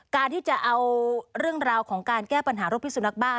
การที่จะเอาเรื่องราวของการแก้ปัญหาโรคพิสุนักบ้า